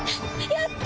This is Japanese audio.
やった！